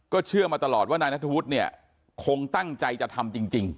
เชื่อมาตลอดว่านายนัทธวุฒิเนี่ยคงตั้งใจจะทำจริง